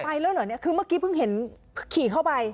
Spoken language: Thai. ไปแล้วเหรอเนี่ยคือเมื่อกี้เพิ่งเห็นขี่เข้าไป